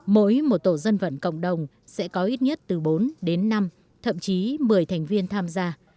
mỗi một tổ dân vận cộng đồng sẽ có ít nhất từ bốn đến năm thậm chí một mươi thành viên tham gia